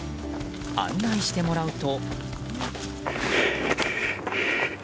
案内してもらうと。